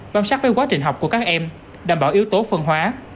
bám sát với quá trình học của các em đảm bảo yếu tố phân hóa